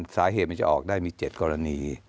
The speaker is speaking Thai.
สาเหตุมันจะออกได้มี๗กรณี